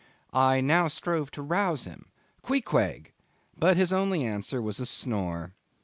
I now strove to rouse him—"Queequeg!"—but his only answer was a snore.